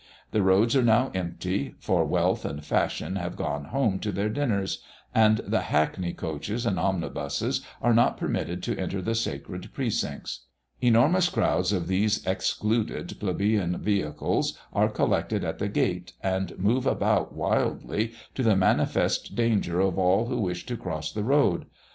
The roads are now empty, for wealth and fashion have gone home to their dinners; and the hackney coaches and omnibuses are not permitted to enter the sacred precincts. Enormous crowds of these excluded plebeian vehicles are collected at the gate, and move about wildly, to the manifest danger of all those who wish to cross the road.